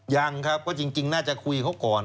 ยังครับก็จริงน่าจะคุยเขาก่อน